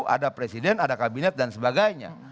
ada presiden ada kabinet dan sebagainya